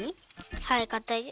はいかたいです。